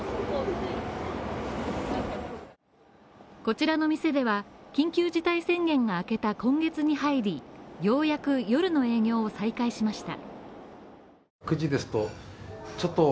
こちらの店では、緊急事態宣言が明けた今月に入り、ようやく夜の営業を再開しました。